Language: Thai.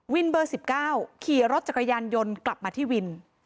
เบอร์๑๙ขี่รถจักรยานยนต์กลับมาที่วิน